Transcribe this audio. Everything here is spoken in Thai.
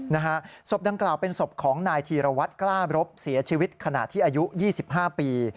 ศพดังกล่าวเป็นศพของนายธีรวัตรกล้าบรบเสียชีวิตขณะที่อายุ๒๕ปี